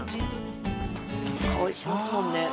香りしますもんね。